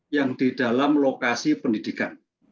yang di dalam lokasi pendidikan